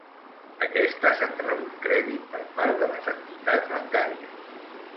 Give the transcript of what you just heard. Aquestes han rebut crèdit per part de les entitats bancàries.